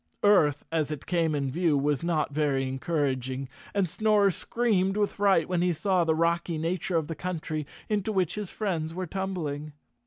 Earth as it came in view was not very encouraging and Snorer screamed with fright when he saw the rocky nature of the country into which his friends were tumbling.